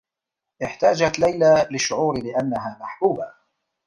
احتاجت ليلى للشّعور بأنّها محبوبة.